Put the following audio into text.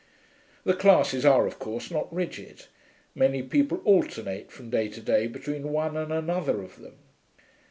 The classes are, of course, not rigid; many people alternate from day to day between one and another of them.